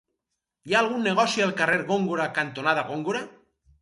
Hi ha algun negoci al carrer Góngora cantonada Góngora?